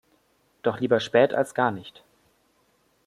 Doch lieber spät als gar nicht.